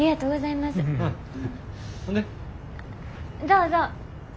どうぞ。